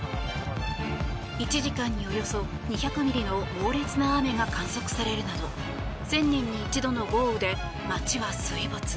１時間におよそ２００ミリの猛烈な雨が観測されるなど１０００年に一度の豪雨で街は水没。